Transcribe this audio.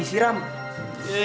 nanda nanda nanda nanda